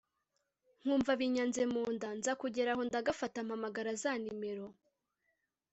nkumva binyanze munda nza kugeraho ndagafata mpamagara za nimero